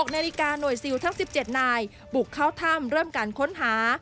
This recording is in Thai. นาฬิกาหน่วยซิลทั้ง๑๗นายบุกเข้าถ้ำเริ่มการค้นหา